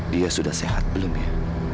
dia sudah sehat belum ya